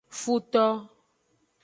Futo.